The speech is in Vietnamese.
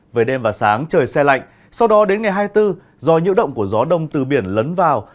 về đêm và sáng trời xe lạnh sau đó đến ngày hai mươi bốn do nhiễu động của gió đông từ biển lấn vào